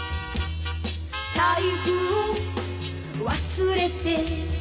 「財布を忘れて」